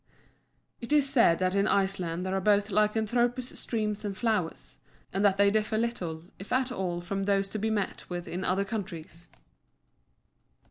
It is said that in Iceland there are both lycanthropous streams and flowers, and that they differ little if at all from those to be met with in other countries.